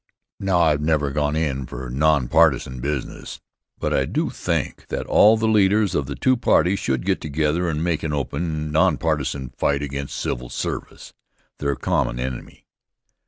Now, I've never gone in for nonpartisan business, but I do think that all the leaders of the two parties should get together and make an open, nonpartisan fight against civil service, their common enemy.